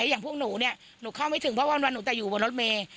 อย่างพวกหนูเนี่ยหนูเข้าไม่ถึงเพราะวันหนูแต่อยู่บนรถเมย์